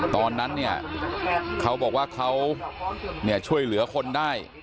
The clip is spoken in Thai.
ตอนนั้นเนี่ยเขาบอกว่าเขาช่วยเหลือคนได้